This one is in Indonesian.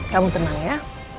kamu tenang ya